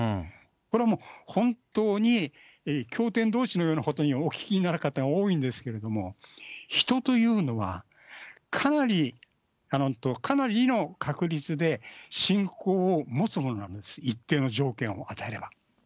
これはもう本当に、教典どうしのようにお聞きになる方が多いんですけれども、人というのは、かなりの確率で信仰を持つものなんです、一定の条件を与えれば。